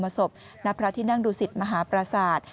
พระบรมศพนับพระที่นั่งดูสิทธิ์มหาประสาท